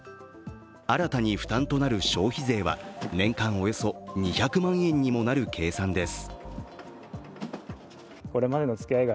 新たに負担となる消費税は年間およそ２００万円にもなる計算です。